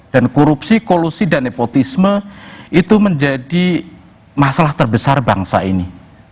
dan korupsi kolusi dan nepotisme itu menjadi masalah terbesar bangsa ini